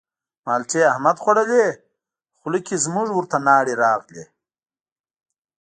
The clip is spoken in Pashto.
مالټې احمد خوړلې خوله کې زموږ ورته لاړې راغلې.